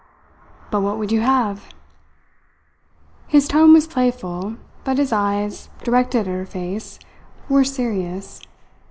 But what would you have?" His tone was playful, but his eyes, directed at her face, were serious.